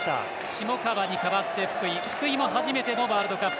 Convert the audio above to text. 下川に代わって福井福井も初めてのワールドカップ。